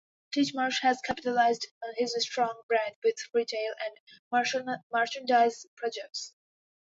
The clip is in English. Titchmarsh has capitalised on his strong brand with retail and merchandise projects.